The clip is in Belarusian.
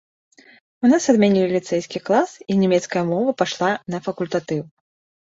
У нас адмянілі ліцэйскі клас, і нямецкая мова пайшла на факультатыў.